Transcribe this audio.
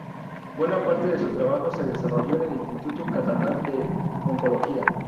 Buena parte de su trabajo se desarrolló en el Instituto Catalán de Oncología.